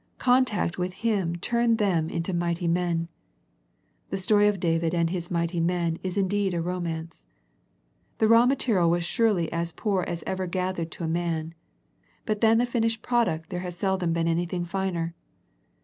Con tact with him turned them into mighty men. The story of David and his mighty men is in deed a romance. The raw material was surely as poor as ever gathered to a man, but than the finished product there has seldom been any thing finer.